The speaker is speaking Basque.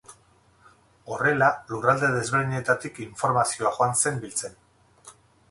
Horrela lurralde desberdinetatik informazio joan zen biltzen.